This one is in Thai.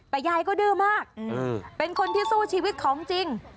แต่ยายก็ดื้อมากเป็นคนที่สู้ชีวิตของจริง